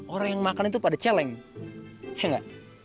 orang yang makan itu pada celeng ya gak